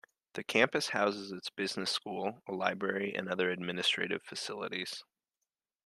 The campus houses its business school, a library, and other administrative facilities.